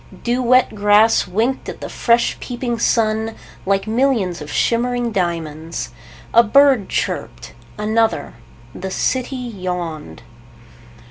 Dew wet grass winked at the fresh peeping sun, like millions of shimmering diamonds. A bird chirped. Another. The city yawned.